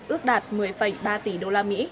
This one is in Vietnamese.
ước đạt một mươi ba tỷ usd